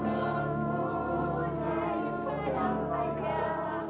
mampu nyai bau panjang